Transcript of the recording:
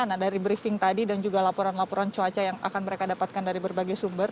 nah dari briefing tadi dan juga laporan laporan cuaca yang akan mereka dapatkan dari berbagai sumber